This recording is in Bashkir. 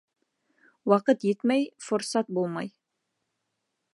Ваҡыт етмәй форсат булмай.